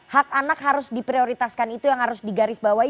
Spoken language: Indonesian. hak anak harus diprioritaskan itu yang harus digarisbawahi